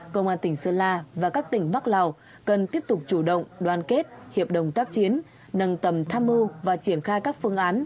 công an tỉnh sơn la và các tỉnh bắc lào cần tiếp tục chủ động đoàn kết hiệp đồng tác chiến nâng tầm tham mưu và triển khai các phương án